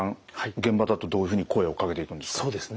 現場だとどういうふうに声をかけていくんですか？